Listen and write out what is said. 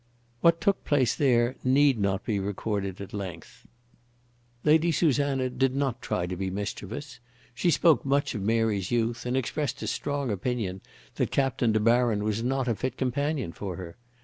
What took place there need not be recorded at length. Lady Susanna did not try to be mischievous. She spoke much of Mary's youth, and expressed a strong opinion that Captain De Baron was not a fit companion for her.